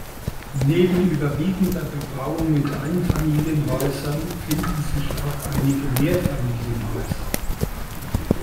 Neben überwiegender Bebauung mit Einfamilienhäusern finden sich auch einige Mehrfamilienhäuser.